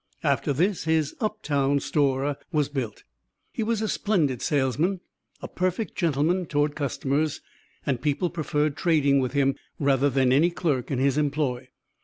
After this his "up town" store was built. He was a splendid salesman, a perfect gentleman toward customers, and people preferred trading with him rather than any clerk in his employ.